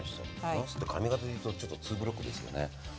なすって髪形でいうとちょっとツーブロックですよね。